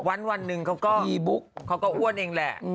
วันหนึ่งเขาก็อีบุ๊กเขาก็อ้วนเองแหละ